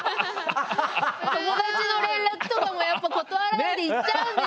友達の連絡とかもやっぱり断らないで行っちゃうんです。